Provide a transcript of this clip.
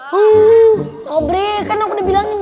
sobri kan aku udah bilang